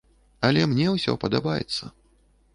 Але мне ўсё падабаецца.